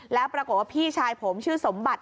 แล้วปรากฏว่าพี่ชายผมชื่อสมบัติ